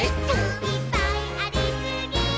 「いっぱいありすぎー！！」